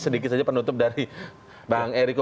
sedikit saja penutup dari bang eriko